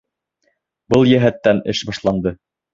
Был йәһәттән эш башланды.